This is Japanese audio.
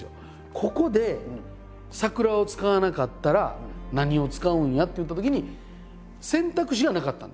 ここで桜を使わなかったら何を使うんやっていったときに選択肢がなかったんです。